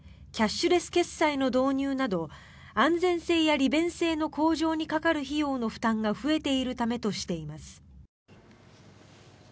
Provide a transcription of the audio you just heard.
キャッシュレス決済の導入など安全性や利便性の向上にかかる費用の負担が増えているためとしています。